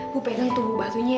bu pegang tubuh batunya